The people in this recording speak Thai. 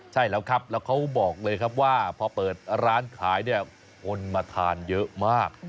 ใช่แล้วครับแล้วเขาบอกเลยครับว่าพอเปิดร้านขายเนี่ยคนมาทานเยอะมาก